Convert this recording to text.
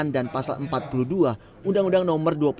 dan pasal empat puluh dua undang undang nomor